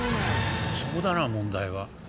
そこだな問題は。